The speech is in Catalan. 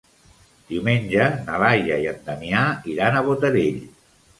Diumenge na Laia i en Damià iran a Botarell.